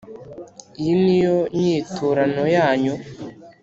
Iyo ni yo nyiturano yanyu